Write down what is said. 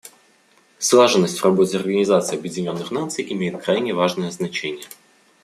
Слаженность в работе Организации Объединенных Наций имеет крайне важное значение.